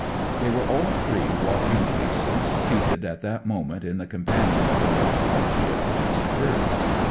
They were all three walking cases, seated at that moment in the companion of the Red Cross ship just berthed.